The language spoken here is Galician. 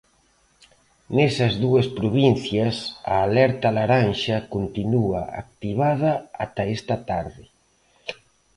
Nestas dúas provincias, a alerta laranxa continúa activada ata esta tarde.